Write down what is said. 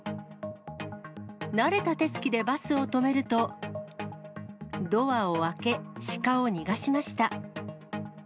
慣れた手つきでバスを止めると、ドアを開け、シカを逃がしました。